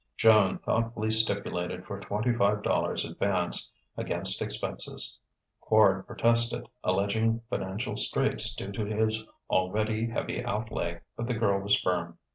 Joan thoughtfully stipulated for twenty five dollars advance, against expenses. Quard protested, alleging financial straits due to his already heavy outlay, but the girl was firm.